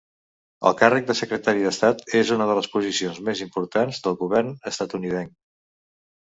El càrrec de Secretari d'Estat és una de les posicions més importants del govern estatunidenc.